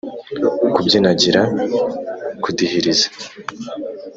kubyinagira, kudihiriza